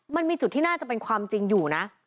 มันมีจุดที่น่าจะเป็นความจริงอยู่นะ